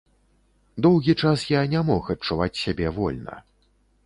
Доўгі час я не мог адчуваць сябе вольна.